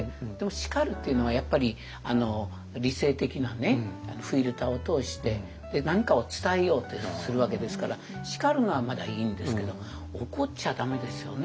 叱るというのはやっぱり理性的なねフィルターを通して何かを伝えようってするわけですから叱るのはまだいいんですけど怒っちゃダメですよね。